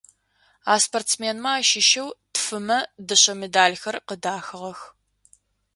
А спортсменмэ ащыщэу тфымэ дышъэ медалхэр къыдахыгъэх.